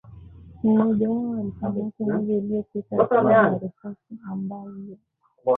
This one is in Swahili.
mmoja wao alikamatwa mwezi uliopita akiwa na risasi ambazo